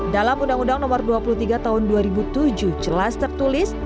dalam undang undang nomor dua puluh tiga tahun dua ribu tujuh jelas tertulis